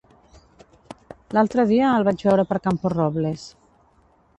L'altre dia el vaig veure per Camporrobles.